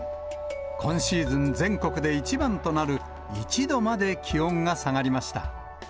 今シーズン全国で一番となる１度まで気温が下がりました。